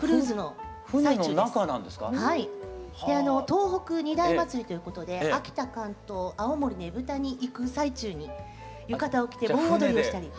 東北二大祭りということで秋田竿燈青森ねぶたに行く最中に浴衣を着て盆踊りをしたり。